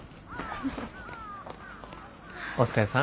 お疲れさん。